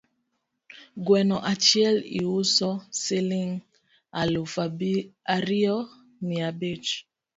Gweno achiel iuso siling alufu ariyo mia bich